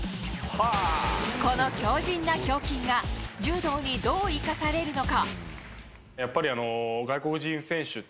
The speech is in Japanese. この強靭な胸筋が柔道にどう生かされるのか。